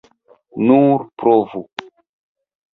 Nur provu.